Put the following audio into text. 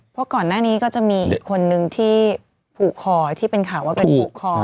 เพราะก่อนหน้านี้ก็จะมีอีกคนนึงที่ผูกคอที่เป็นข่าวว่าเป็นผูกคอ